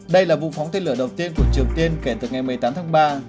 đây là vụ phóng tên lửa đầu tiên của triều tiên kể từ ngày một mươi tám tháng ba